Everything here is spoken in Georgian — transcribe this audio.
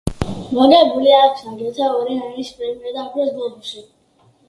მოგებული აქვს აგრეთვე ორი ემის პრემია და ოქროს გლობუსი.